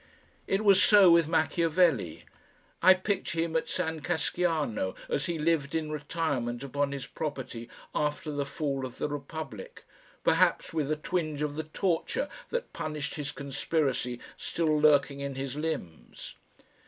It was so with Machiavelli. I picture him at San Casciano as he lived in retirement upon his property after the fall of the Republic, perhaps with a twinge of the torture that punished his conspiracy still lurking in his limbs.